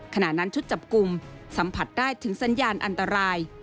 ขณะนั้นชุดจับกลุ่มสัมผัสได้ถึงสัญญาณอันตราย